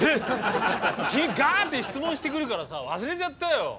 君ガッて質問してくるからさ忘れちゃったよ。